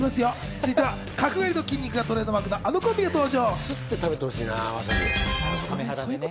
続いていきますよ、続いては角刈りと筋肉がトレードマークのあのコンビが登場。